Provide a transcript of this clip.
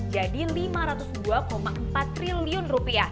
jadi rp lima ratus dua empat triliun